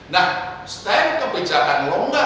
nah standar kebijakan longgar